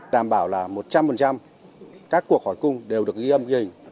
đảm bảo là một trăm linh các cuộc hỏi cung đều được ghi âm ghi hình